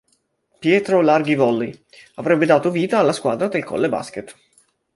Pietro Larghi Volley, avrebbe dato vita alla squadra del Colle Basket.